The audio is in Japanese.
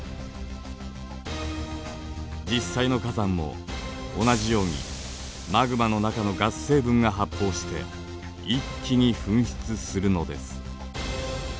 実際の火山も同じようにマグマの中のガス成分が発泡して一気に噴出するのです。